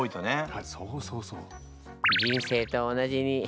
はいそうそうそう。